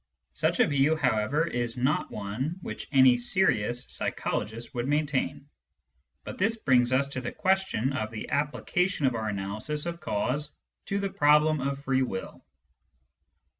Such a view, however, is not one which any serious psychologist would maintain. But this brings us to the question of the application of our analysis of cause to the problem of free will.